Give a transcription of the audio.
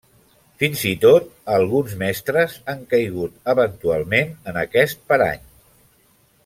Fins i tot alguns mestres han caigut eventualment en aquest parany.